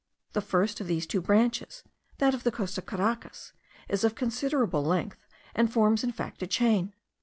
The first of these two branches, that of the coast of Caracas, is of considerable length, and forms in fact a chain.